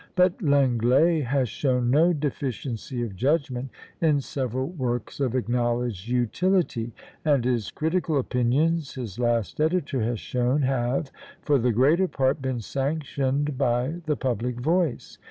But Lenglet has shown no deficiency of judgment in several works of acknowledged utility; and his critical opinions, his last editor has shown, have, for the greater part, been sanctioned by the public voice.